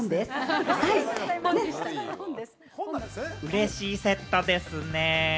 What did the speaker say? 嬉しいセットですね。